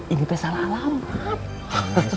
ini teh salah alamat